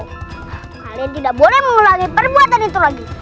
kalian tidak boleh mengulangi perbuatan itu lagi